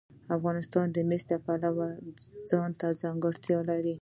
افغانستان د مس د پلوه ځانته ځانګړتیا لري.